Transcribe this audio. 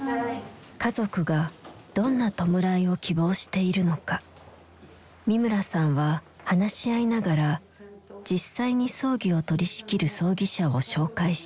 家族がどんな弔いを希望しているのか三村さんは話し合いながら実際に葬儀を取りしきる葬儀社を紹介していく。